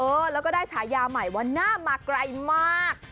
เออแล้วก็ได้ฉายาใหม่ว่าหน้ามาไกลมาก